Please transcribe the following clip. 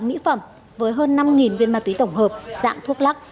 mỹ phẩm với hơn năm viên ma túy tổng hợp dạng thuốc lắc